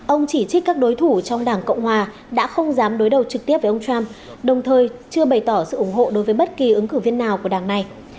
ông chỉ trích các đối thủ trong đảng cộng hòa đã không dám đối đầu trực tiếp với ông trump đồng thời chưa bày tỏ sự ủng hộ đối với bất kỳ ứng cử viên nào của đảng này